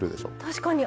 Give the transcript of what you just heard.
確かに。